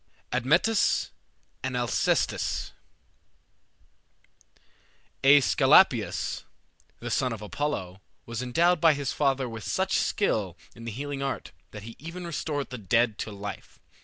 ADMETUS AND ALCESTIS Aesculapius, the son of Apollo, was endowed by his father with such skill in the healing art that he even restored the dead to life.